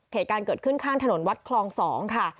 เหตุการณ์เกิดขึ้นข้างถนนวัดคลอง๒ค่ะ